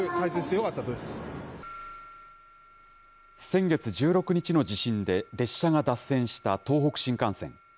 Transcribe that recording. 先月１６日の地震で列車が脱線した東北新幹線。